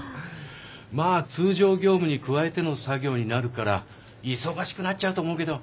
まあ通常業務に加えての作業になるから忙しくなっちゃうと思うけど。